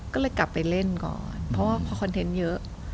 ก็เลยกลับไปเล่นก่อนเพราะว่าพอคอนเทนต์เยอะ